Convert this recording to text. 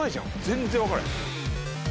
全然分からへん。